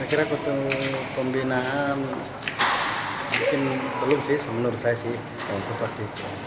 saya kira untuk pembinaan mungkin belum sih menurut saya sih